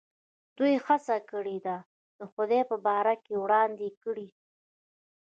دوی هڅه کړې ده د خدای په باره کې وړاندې کړي.